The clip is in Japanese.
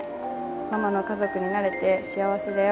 ママの家族になれて幸せだよ。